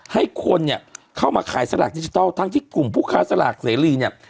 ให้คนเนี่ยเข้ามาขายสลากดิจิทัลทั้งที่กลุ่มผู้ค้าสลากเสรีเนี่ย